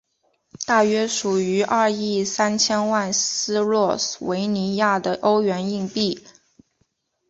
大约属于二亿三千万斯洛维尼亚的欧元硬币。